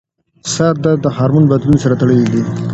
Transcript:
سردرد د هارمون بدلون سره تړلی دی.